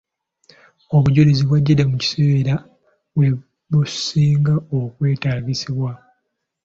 Obuvujjirizi bwajjidde mu kiseera we businga okwetaagisibwa.